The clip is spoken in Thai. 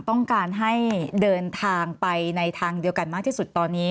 ต้องการให้เดินทางไปในทางเดียวกันมากที่สุดตอนนี้